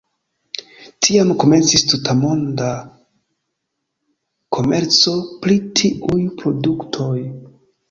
Tiam komencis tutmonda komerco pri tiuj produktoj.